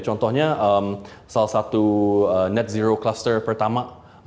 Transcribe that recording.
contohnya salah satu net zero cluster pertama